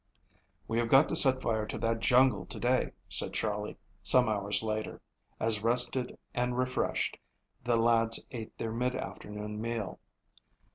"We have got to set fire to that jungle to day," said Charley some hours later, as rested and refreshed, the lads ate their mid afternoon meal.